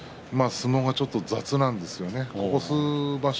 相撲はちょっと雑なんですよね、ここ数場所。